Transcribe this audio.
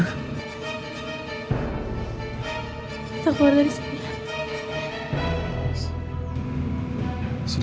kita keluar dari sini